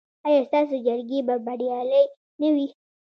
ایا ستاسو جرګې به بریالۍ نه وي؟